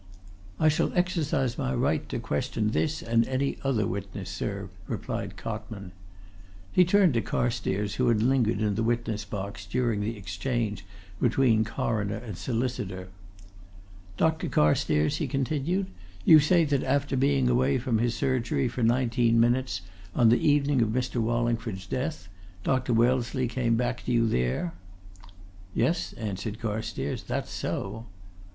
"I shall exercise my right to question this and any other witness, sir," replied Cotman. He turned to Carstairs, who had lingered in the witness box during this exchange between coroner and solicitor. "Dr. Carstairs," he continued, "you say that after being away from his surgery for nineteen minutes on the evening of Mr. Wallingford's death, Dr. Wellesley came back to you there?" "Yes," answered Carstairs. "That's so."